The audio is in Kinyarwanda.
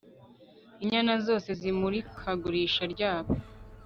Inyana zose zimurikagurisha ryabo